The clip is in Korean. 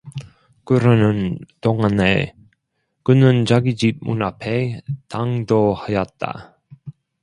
그러는 동안에 그는 자기 집 문앞에 당도하였다.